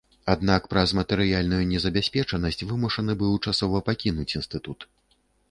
Аднак праз матэрыяльную незабяспечанасць вымушаны быў часова пакінуць інстытут.